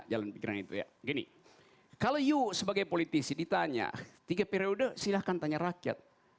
kalau you sebagai politisi ditanya tiga periode silahkan tanya rakyat